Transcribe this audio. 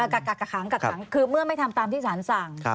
กักขังกักขังคือเมื่อไม่ทำตามที่สารสั่ง